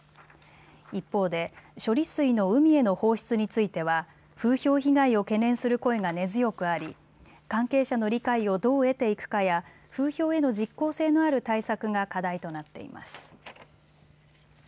一方で処理水の海への放出については風評被害を懸念する声が根強くあり関係者の理解をどう得ていくかや風評への実効性のある対策が課題となっています。